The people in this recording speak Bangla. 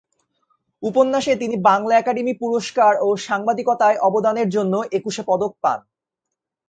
উপন্যাসে তিনি বাংলা একাডেমি পুরস্কার ও সাংবাদিকতায় অবদানের জন্য একুশে পদক পান।